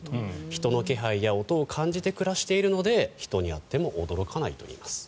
人の気配や音を感じて暮らしているので人に会っても驚かないといいます。